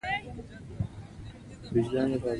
د بوتل هوا او ګلوله دواړه منبسط شول.